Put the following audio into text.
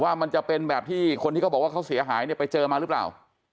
มันจะเป็นแบบที่คนที่เขาบอกว่าเขาเสียหายเนี่ยไปเจอมาหรือเปล่า